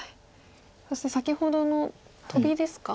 そして先ほどのトビですか？